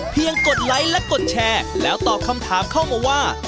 กดไลค์และกดแชร์แล้วตอบคำถามเข้ามาว่า